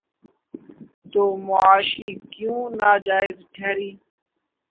تو معاشی کیوں ناجائز ٹھہری؟